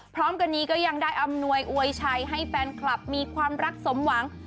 พร้อมกันนี้ก็ยังได้อำนวยอวยชัยให้แฟนคลับมีความรักสมหวัง